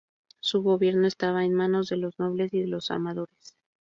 Su gobierno estaba en manos de los nobles y de los armadores.